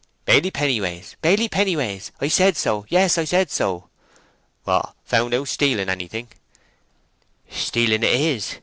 "Baily Pennyways—Baily Pennyways—I said so; yes, I said so!" "What, found out stealing anything?" "Stealing it is.